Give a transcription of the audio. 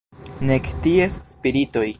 Nek ties spiritoj.